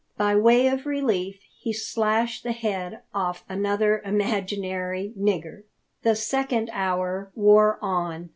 By way of relief, he slashed the head off another imaginary nigger. The second hour wore on.